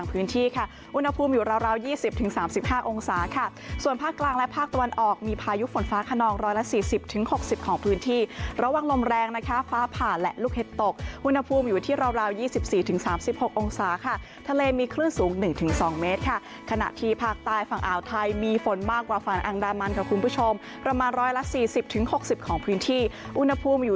อุณหภูมิอยู่ราว๒๐๓๕องศาค่ะส่วนภาคกลางและภาคตะวันออกมีพายุฝนฟ้าขนองร้อยละ๔๐๖๐ของพื้นที่ระหว่างลมแรงนะคะฟ้าผ่านและลูกเห็ดตกอุณหภูมิอยู่ที่ราว๒๔๓๖องศาค่ะทะเลมีคลื่นสูง๑๒เมตรค่ะขณะที่ภาคใต้ฝั่งอ่าวไทยมีฝนมากกว่าฝั่งอังดามันค่ะคุณผู้ชมประมาณ